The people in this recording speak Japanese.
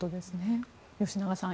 吉永さん